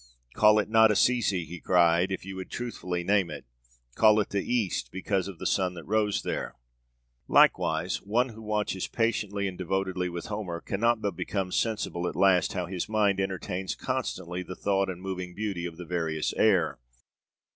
'Call it not Assisi,' he cries; 'if you would truthfully name it, call it the East because of the sun that rose there.' Likewise, one who watches patiently and devotedly with Homer cannot but become sensible at last how his mind entertains constantly the thought and moving beauty of the various air.